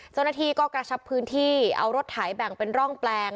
เจ้าหน้าที่ก็กระชับพื้นที่เอารถไถแบ่งเป็นร่องแปลง